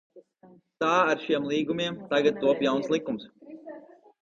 Tā ir ar šiem līgumiem, tagad top jauns likums.